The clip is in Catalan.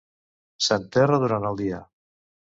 S'enterra durant el dia.